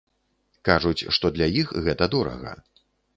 Кажуць, што для іх гэта дорага.